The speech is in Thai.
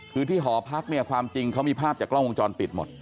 คือที่หอพักเนี่ยความจริงเขามีภาพจากกล้องวงจรปิดหมด